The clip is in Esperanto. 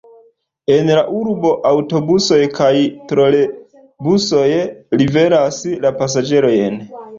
En la urbo aŭtobusoj kaj trolebusoj liveras la pasaĝerojn.